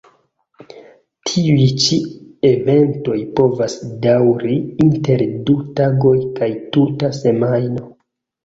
Tiuj ĉi eventoj povas daŭri inter du tagoj kaj tuta semajno.